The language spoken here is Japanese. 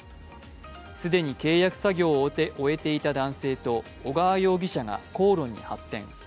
既に契約作業を終えていた男性と小川容疑者が口論に発展。